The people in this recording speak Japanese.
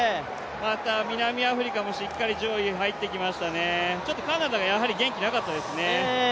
南アフリカもしっかり上位に入ってきましたねカナダはやはり元気がなかったですね。